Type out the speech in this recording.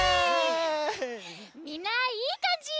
みんないいかんじ！